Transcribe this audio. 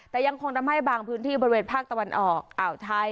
แต่ยังคงทำให้บางพื้นที่บริเวณภาคตะวันออกอ่าวไทย